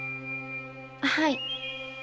はい。